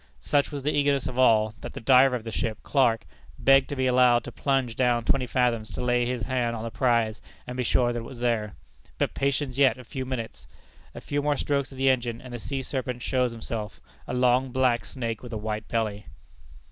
Such was the eagerness of all, that the diver of the ship, Clark, begged to be allowed to plunge down twenty fathoms, to lay his hand on the prize, and be sure that it was there. But patience yet a few minutes! A few more strokes of the engine, and the sea serpent shows himself a long black snake with a white belly.